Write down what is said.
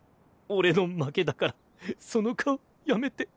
俺の負けだからその顔やめて。